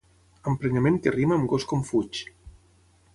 Emprenyament que rima amb gos com fuig.